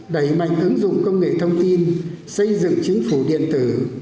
đẩy mạnh ứng dụng công nghệ thông tin xây dựng chính phủ điện tử